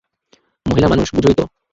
মহিলা মানুষ, বুঝোই তো?